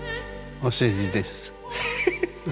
お世辞です。